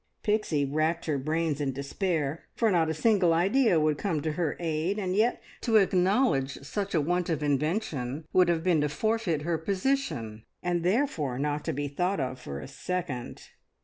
Pixie racked her brains in despair, for not a single idea would come to her aid, and yet to acknowledge such a want of invention would have been to forfeit her position, and therefore not to be thought of for a second.